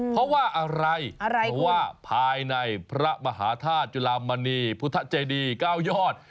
เพราะว่าอะไรเพราะว่าภายในพระมหาธาตุจุลามณีพุทธเจดี๙ยอด